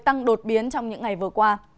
tăng đột biến trong những ngày vừa qua